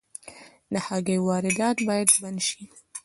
د هګیو واردات باید بند شي